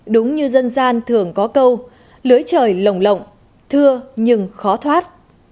đúng như dân gian thường có câu lưới trời lồng lộng thưa nhưng khó thoát